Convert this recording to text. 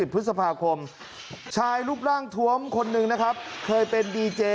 พฤษภาคมชายรูปร่างทวมคนหนึ่งนะครับเคยเป็นดีเจ